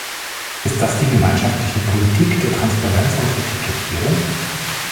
Ist das die gemeinschaftliche Politik der Transparenz und Etikettierung?